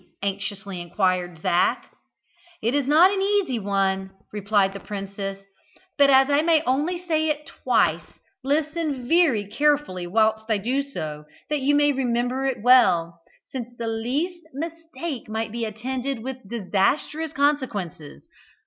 anxiously inquired Zac. "It is not an easy one," replied the princess, "but as I may only say it twice, listen very carefully whilst I do so, that you may remember it well, since the least mistake might be attended with disastrous consequences.